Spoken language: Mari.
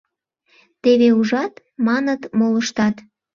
Теве ужат! — маныт молыштат.